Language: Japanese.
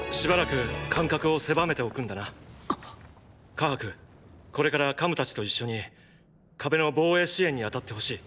カハクこれからカムたちと一緒に壁の防衛支援に当たってほしい。